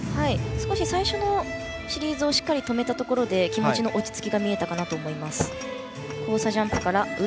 最初のシリーズをしっかり止めたところで気持ちの落ち着きが見えたかなと思います。